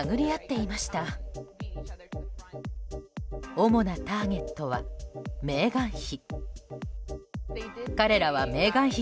主なターゲットはメーガン妃。